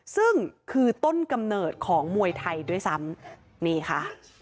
ซึ่งคือต้นกำเนิดของมวยไทยด้วยซ้ำนี่ค่ะ